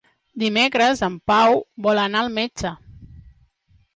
Dimecres en Pau vol anar al metge.